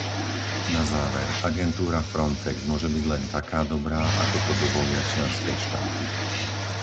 Na záver, agentúra Frontex môže byť len taká dobrá, ako to dovolia členské štáty.